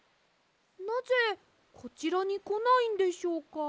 なぜこちらにこないんでしょうか？